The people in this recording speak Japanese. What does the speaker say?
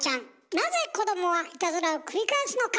なぜ子どもはいたずらを繰り返すのか！